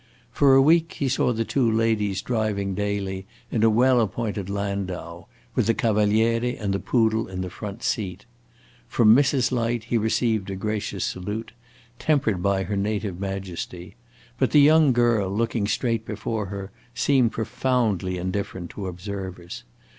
For a week he saw the two ladies driving daily in a well appointed landau, with the Cavaliere and the poodle in the front seat. From Mrs. Light he received a gracious salute, tempered by her native majesty; but the young girl, looking straight before her, seemed profoundly indifferent to observers.